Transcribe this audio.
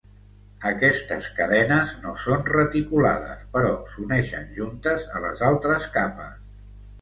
Aquestes cadenes no són reticulades però s'uneixen juntes a les altres capes.